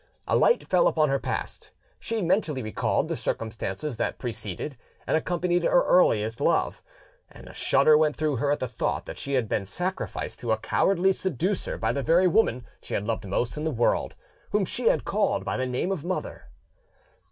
A light fell upon her past: she mentally recalled the circumstances that preceded and accompanied her earliest love; and a shudder went through her at the thought that she had been sacrificed to a cowardly seducer by the very woman she had loved most in the world, whom she had called by the name of mother.